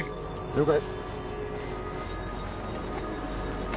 了解。